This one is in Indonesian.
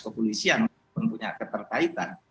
kopulisian mempunyai keterkaitan